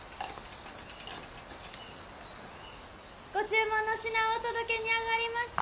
ご注文の品をお届けにあがりました。